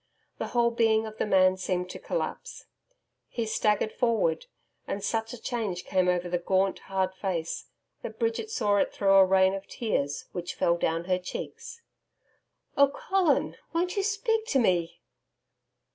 The whole being of the man seemed to collapse. He staggered forward, and such a change came over the gaunt, hard face, that Bridget saw it through a rain of tears which fell down her cheeks. 'Oh, Colin Won't you speak to me?'